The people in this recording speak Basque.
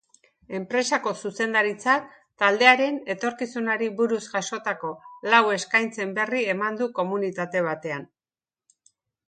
Enpresako zuzendaritzak taldearen etorkizunari buruz jasotako lau eskaintzen berri eman du komunikatu batean.